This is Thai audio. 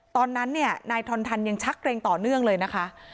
ตอนนั้นเนี่ยนายทอนทันยังชักเกรงต่อเนื่องเลยนะคะ